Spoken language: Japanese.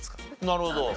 なるほど。